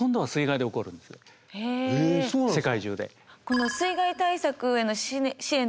世界中で。